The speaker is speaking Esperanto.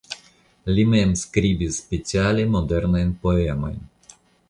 Li mem skribis speciale modernajn poemojn.